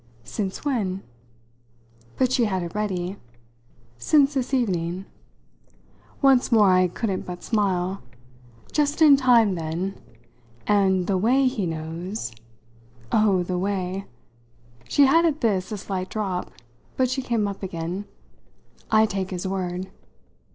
"Since when?" But she had it ready. "Since this evening." Once more I couldn't but smile. "Just in time then! And the way he knows ?" "Oh, the way!" she had at this a slight drop. But she came up again. "I take his word."